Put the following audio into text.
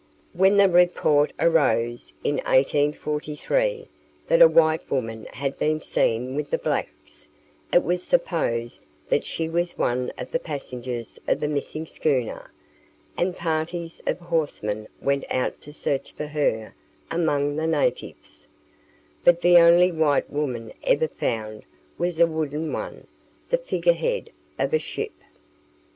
When the report arose in 1843 that a white woman had been seen with the blacks, it was supposed that she was one of the passengers of the missing schooner, and parties of horsemen went out to search for her among the natives, but the only white woman ever found was a wooden one the figure head of a ship.